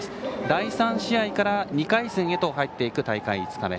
第３試合から２回戦へと入っていく大会５日目。